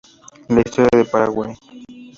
La Historia del Paraguay.